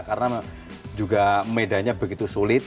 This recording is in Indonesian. karena juga medanya begitu sulit